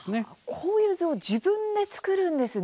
こういう図を自分で作るんですね。